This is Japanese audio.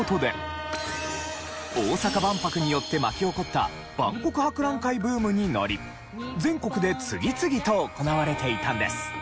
大阪万博によって巻き起こった万国博覧会ブームにのり全国で次々と行われていたんです。